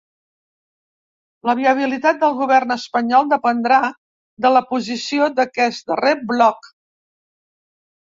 La viabilitat del govern espanyol dependrà de la posició d’aquest darrer bloc.